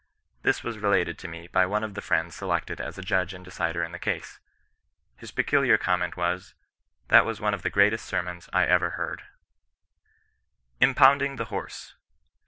This was related to me by one of the friends selected as a judge and decider in the case. His peculiar comment was, *' That toas one of the greatest sermons I ever heardr IMPOUNDING THE HOBSE.